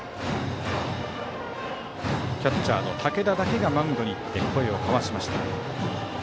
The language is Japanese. キャッチャーの武田だけがマウンドに行って声を交わしました。